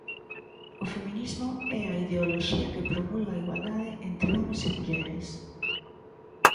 O feminismo é a ideoloxía que promulga a igualdade entre homes e mulleres.